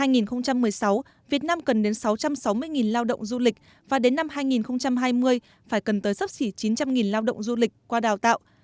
năm hai nghìn một mươi sáu việt nam cần đến sáu trăm sáu mươi lao động du lịch và đến năm hai nghìn hai mươi phải cần tới sắp xỉ chín trăm linh lao động du lịch qua đào tạo